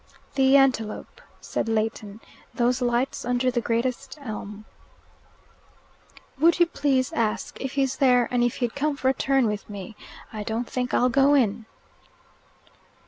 "The Antelope," said Leighton. "Those lights under the greatest elm." "Would you please ask if he's there, and if he'd come for a turn with me. I don't think I'll go in."